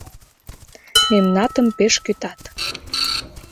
Мемнатым пеш кӱтат.